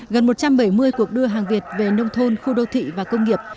gần một trăm bảy mươi cuộc đưa hàng việt về nông thôn khu đô thị và công nghiệp